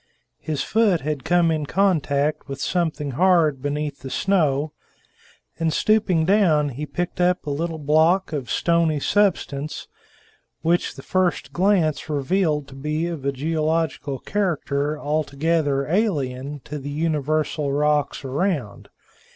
His foot had come in contact with something hard beneath the snow, and, stooping down, he picked up a little block of stony substance, which the first glance revealed to be of a geological character altogether alien to the universal rocks around.